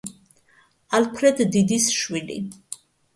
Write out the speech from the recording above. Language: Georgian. ალფრედ დიდის შვილი.